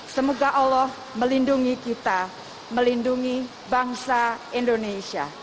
semoga allah melindungi kita melindungi bangsa indonesia